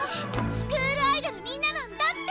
スクールアイドルみんななんだって！